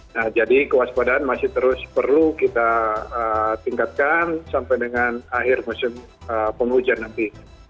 nah jadi kewaspadaan masih terus perlu kita tingkatkan sampai dengan akhir musim penghujan nanti